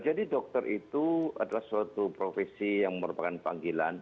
jadi dokter itu adalah suatu profesi yang merupakan panggilan